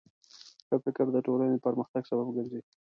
ښه فکر د ټولنې د پرمختګ سبب ګرځي.